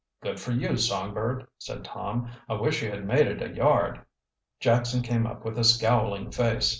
"Good for you, Songbird!" said Tom. "I wish you had made it a yard." Jackson came up with a scowling face.